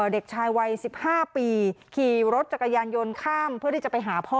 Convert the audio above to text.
เด็กชายวัย๑๕ปีขี่รถจักรยานยนต์ข้ามเพื่อที่จะไปหาพ่อ